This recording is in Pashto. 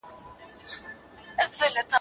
د ورځي یوازي سل سل جملې همکاري وکړي..